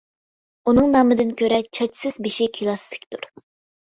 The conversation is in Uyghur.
ئۇنىڭ نامىدىن كۆرە چاچسىز بېشى كىلاسسىكتۇر.